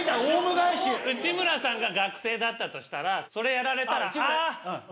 内村さんが学生だとしたらそれやられたら。